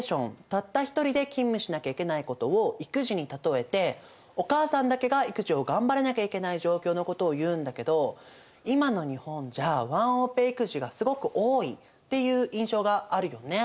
たった１人で勤務しなきゃいけないことを育児に例えてお母さんだけが育児を頑張らなきゃいけない状況のことをいうんだけど今の日本じゃワンオペ育児がすごく多いっていう印象があるよね。